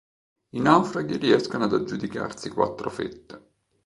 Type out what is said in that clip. I naufraghi riescono ad aggiudicarsi quattro fette.